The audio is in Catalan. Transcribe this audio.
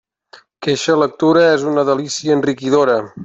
Que eixa lectura és una delícia enriquidora.